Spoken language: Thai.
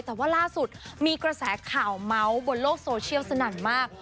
แต่ว่าล่าสุดมีกระแสข่าวเมาส์บนโลกโซเชียลสนั่นมาก